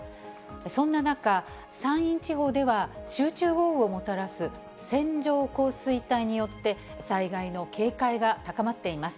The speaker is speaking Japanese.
そんな中、山陰地方では集中豪雨をもたらす線状降水帯によって、災害の警戒が高まっています。